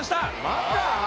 また！？